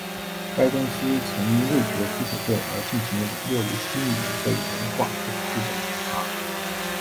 该公司曾因未取得许可证而进行网络游戏经营被文化执法部门处罚。